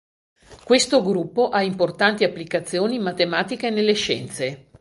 Questo gruppo ha importanti applicazioni in matematica e nelle scienze.